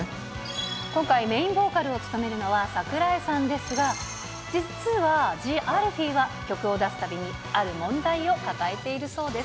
今回、メインボーカルを務めるのは桜井さんですが、実はＴＨＥＡＬＦＥＥは曲を出すたびに、ある問題を抱えているそうです。